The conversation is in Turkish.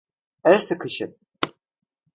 El sıkışın.